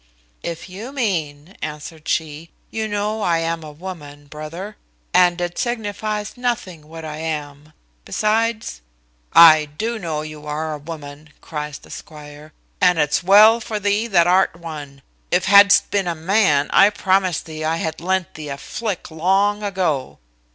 "If you mean me," answered she, "you know I am a woman, brother; and it signifies nothing what I am. Besides " "I do know you are a woman," cries the squire, "and it's well for thee that art one; if hadst been a man, I promise thee I had lent thee a flick long ago."